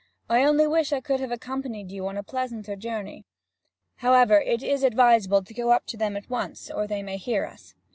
I only wish I could have accompanied you on a pleasanter journey. However, it is advisable to go up to them at once, or they may hear us.'